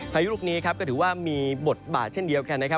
พายุลูกนี้ครับก็ถือว่ามีบทบาทเช่นเดียวกันนะครับ